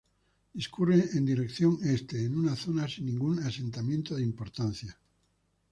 Discurre en dirección este, en una zona sin ningún asentamiento de importancia.